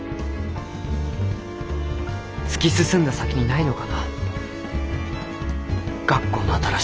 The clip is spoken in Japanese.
突き進んだ先にないのかな学校の新しい景色。